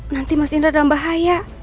nanti mas indra dalam bahaya